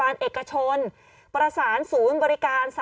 กล้องกว้างอย่างเดียว